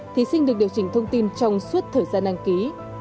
thí sinh được điều chỉnh thông tin trong suốt thời gian đăng ký